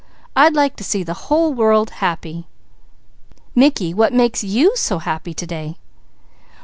I'd like to see the whole world happy." "Mickey, what makes you so happy to day?"